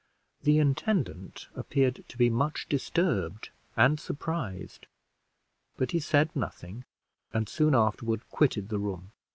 The intendant appeared to be much disturbed and surprised, but he said nothing, and soon afterward quitted the room.